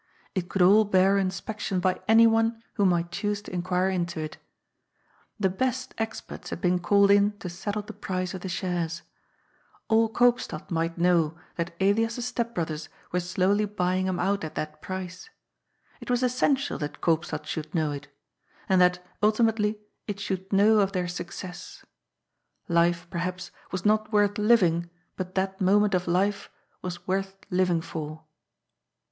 It conld all bear inspection by anyone who might choose to inquire into it The best experts had been called in to settle the price of the shares. All Koop stad might know that Elias's step brothers were slowly buy ing him out at that price. It was essential that Koopstad should know it And that, ultimately, it should know of their success. Life, perhaps, was not worth living, but that moment of life was worth living for.